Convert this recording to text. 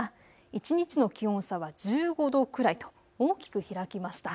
一日の気温差は１５度くらいと大きく開きました。